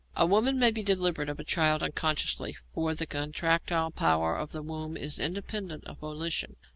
A woman may be delivered of a child unconsciously, for the contractile power of the womb is independent of volition.